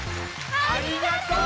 ありがとう！